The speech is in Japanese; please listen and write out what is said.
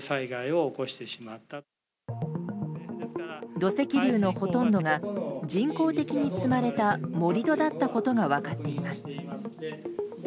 土石流のほとんどが人工的に積まれた盛り土だったことが分かっています。